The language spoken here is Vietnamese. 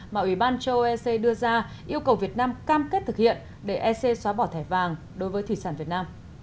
mà ủy ban châu âu đưa ra yêu cầu việt nam cam kết thực hiện để ec xóa bỏ thẻ vàng đối với thủy sản việt nam